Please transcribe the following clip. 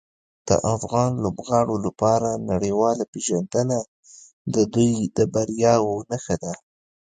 د افغان لوبغاړو لپاره نړیواله پیژندنه د دوی د بریاوو نښه ده.